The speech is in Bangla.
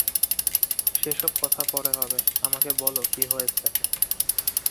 সে-সব কথা পরে হবে, আমাকে বলো কী হয়েছে।